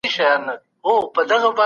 اسلام د نرمې خبري سپارښتنه کوي.